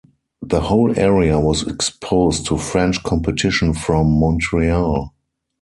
The whole area was exposed to French competition from Montreal.